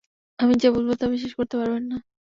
আমি যা বলবো তা বিশ্বাস করতে পারবেন না।